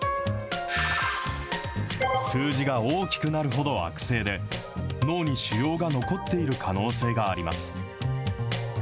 数字が大きくなるほど悪性で、脳に腫瘍が残っている可能性があります。